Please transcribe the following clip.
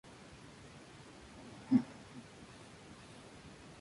Al fin, no acudió.